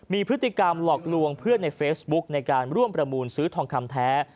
มีพฤติกรรมหลอกลวงเพื่อนในเฟซบุ๊กในการร่วมประมูลซื้อทองคำแท้